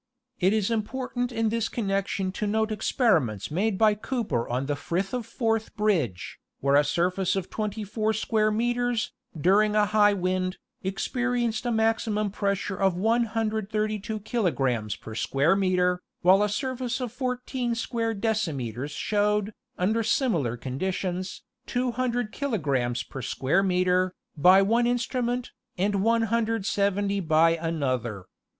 It is im portant in this connection to note experiments made by Cooper on the Frith of Forth Bridge, where a surface of 24 square metres, during a high wind, experienced a maximum pressure of 132 kilogrammes per square metre, while a surface of 14 square decimeters showed, under similar conditions, 200 kilogrammes per square metre, by one instrument, and 170 by another.